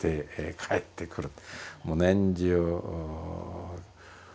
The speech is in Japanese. もう年中。